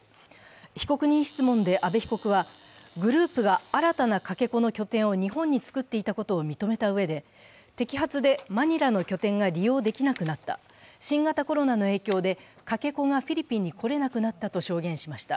被告人質問で阿部被告はグループが新たなかけ子の拠点を日本に作っていたことを認めたうえで摘発でマニラの拠点が利用できなくなった、新型コロナの影響でかけ子がフィリピンに来れなくなったと証言しました。